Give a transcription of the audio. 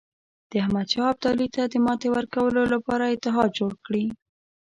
د احمدشاه ابدالي ته د ماتې ورکولو لپاره اتحاد جوړ کړي.